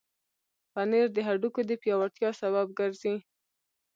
پنېر د هډوکو د پیاوړتیا سبب ګرځي.